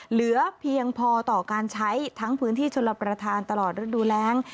เหลือเพียงพอต่อการใช้ทั้งพื้นที่ชลประธานตลอดฤดูแรง